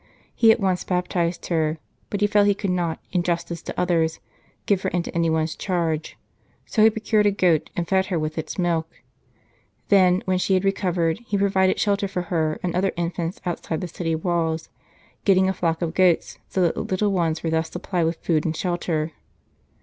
He at once baptized her, but he felt he could not, in justice to others, give her into anyone s charge, so he procured a goat and fed her with its milk ; then, when she had recovered, he provided shelter for her and other infants outside the city walls, getting a flock of goats, so that the little ones were thus supplied with food and shelter.